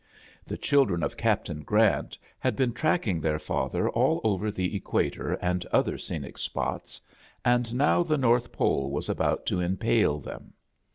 The children of Captain Grant had been tracking their father all over the equator and other scenic spots, and now the north pole was about to impale them.